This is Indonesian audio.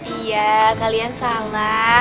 iya kalian salah